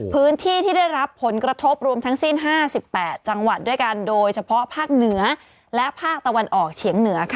พื้นที่ที่ได้รับผลกระทบรวมทั้งสิ้น๕๘จังหวัดด้วยกันโดยเฉพาะภาคเหนือและภาคตะวันออกเฉียงเหนือค่ะ